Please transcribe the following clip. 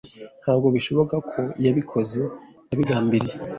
Ntabwo bishoboka ko yabikoze abigambiriye.